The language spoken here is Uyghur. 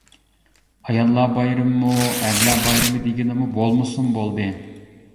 ئاياللار بايرىمىمۇ، ئەرلەر بايرىمى دېگىنىمۇ بولمىسۇن بولدى.